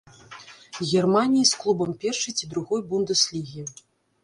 Германіі з клубам першай ці другой бундэслігі.